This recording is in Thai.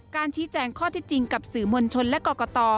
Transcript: ชี้แจงข้อเท็จจริงกับสื่อมวลชนและกรกต